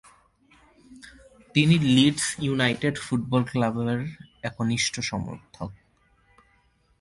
তিনি Leeds United football ক্লাবের একনিষ্ঠ সমর্থক।